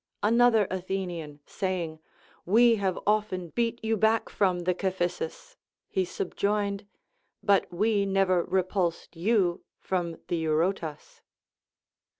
Another Athenian saying, AVe have often beat you back from the Cephissus, he sub joined. But we never repulsed you from the Eurotas.